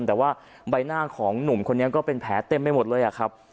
แต่ว่าใบหน้าของหนุ่มคนนี้ก็เป็นแผลเต็มไปหมดเลยอะครับ